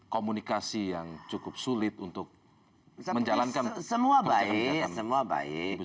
komunikasi yang cukup sulit untuk menjalankan semua baik semua baik